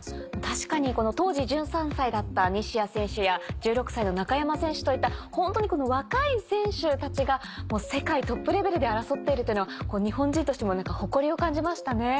確かに当時１３歳だった西矢選手や１６歳の中山選手といったホントに若い選手たちが世界トップレベルで争っているというのは日本人としても誇りを感じましたね。